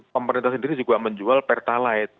pemerintah sendiri juga menjual pertalite